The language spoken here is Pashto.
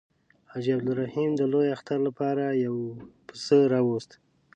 حاجي عبدالرحیم د لوی اختر لپاره یو پسه راووست.